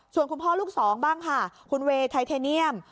ส่วนคุณพ่อลูกสองบ้างค่ะคุณเวย์ไทเทเนียม